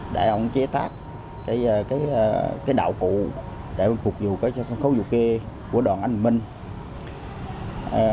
để ông chế tác đạo cụ để phục vụ sân khấu dù kê của đoàn ánh bình minh